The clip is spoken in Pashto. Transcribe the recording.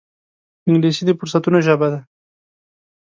انګلیسي د فرصتونو ژبه ده